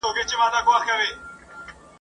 د کړکېچ او تاوتریخوالي لامل وګرزېدی